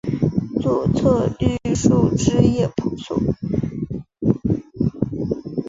左侧绿树枝叶婆娑